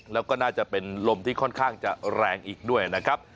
แล้วก็น่าจะเป็นลมที่ค่อนข้างจะแรงอีกด้วยนะครับ